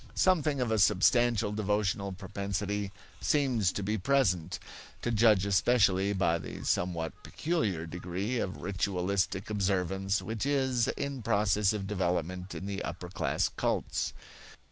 Something of a substantial devotional propensity seems to be present, to judge especially by the somewhat peculiar degree of ritualistic observance which is in process of development in the upper class cults.